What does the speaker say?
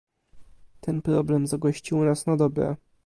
ten problem zagości u nas na dobre